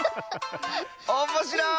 おっもしろい！